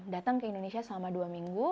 datang ke indonesia selama dua minggu